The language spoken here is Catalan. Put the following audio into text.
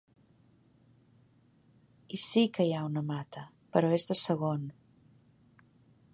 I sí que hi ha un Mata, però és de segon.